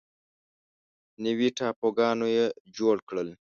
نوي ټاپوګانو یې جوړ کړل.